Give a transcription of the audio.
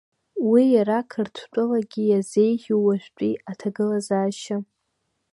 Уи иара Қырҭтәылагьы иазеиӷьу уажәтәи аҭагылазаашьа?